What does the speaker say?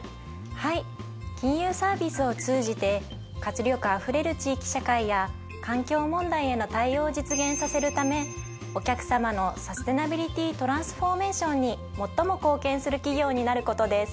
はい金融サービスを通じて活力あふれる地域社会や環境問題への対応を実現させるためお客さまのサステナビリティトランスフォーメーションに最も貢献する企業になることです。